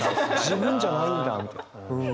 自分じゃないんだみたいな。